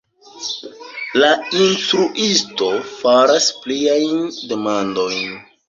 La instruisto faras pliajn demandojn: